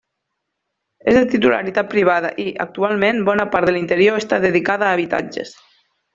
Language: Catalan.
És de titularitat privada i, actualment, bona part de l'interior està dedicada a habitatges.